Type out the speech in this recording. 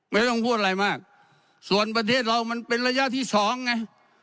ไม่ต้องพูดอะไรมากส่วนประเทศเรามันเป็นระยะที่สองไง